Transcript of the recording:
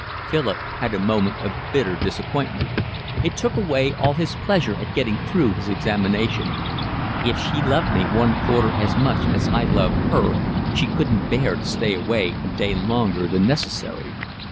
Philip had a moment of bitter disappointment. It took away all his pleasure at getting through his examination. "If she loved me one quarter as much as I love her she couldn't bear to stay away a day longer than necessary."